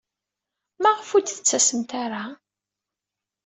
Maɣef ur d-tettasemt ara?